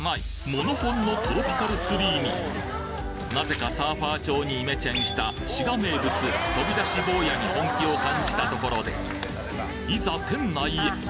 モノホンのトロピカルツリーになぜかサーファー調にイメチェンした滋賀名物飛び出し坊やに本気を感じたところでいざ店内へ！